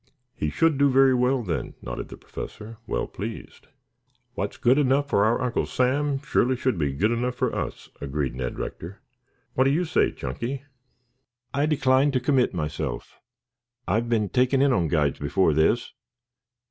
"He should do very well, then," nodded the Professor, well pleased. "What's good enough for our Uncle Sam surely should be good enough for us," agreed Ned Rector. "What do you say, Chunky?" "I decline to commit myself. I've been taken in on guides before this.